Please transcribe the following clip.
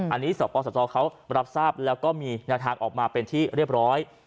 อันนี้สปสชเขารับทราบแล้วก็มีแนวทางออกมาเป็นที่เรียบร้อย